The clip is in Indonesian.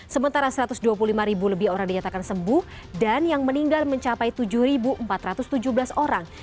sementara satu ratus dua puluh lima lebih orang dinyatakan sembuh dan yang meninggal mencapai tujuh empat ratus tujuh belas orang